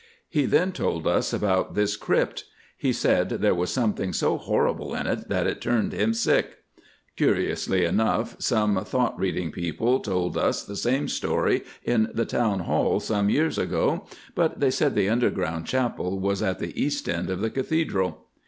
He then told us about this Crypt. He said there was something so horrible in it that it turned him sick. Curiously enough, some thought reading people told us the same story in the Town Hall some years ago, but they said the underground Chapel was at the east end of the Cathedral.